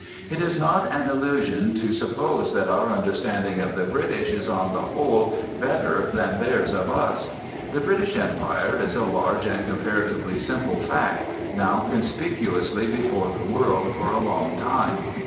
It is not an illusion to suppose that our understanding of the British is on the whole better than theirs of us. The British Empire is a large and comparatively simple fact, now conspicuously before the world for a long time.